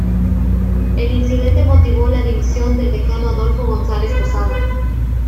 El incidente motivó la dimisión del decano Adolfo González Posada.